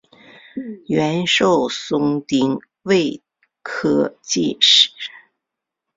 阮寿松丁未科进士。